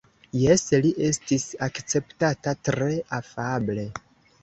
Jes, li estis akceptata tre afable.